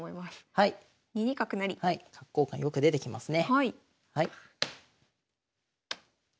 はいよく出てきますね